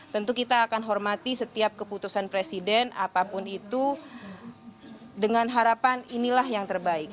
tentu kita akan hormati setiap keputusan presiden apapun itu dengan harapan inilah yang terbaik